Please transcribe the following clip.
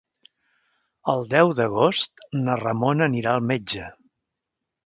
El deu d'agost na Ramona anirà al metge.